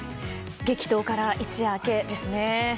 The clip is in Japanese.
激闘から一夜明けですね。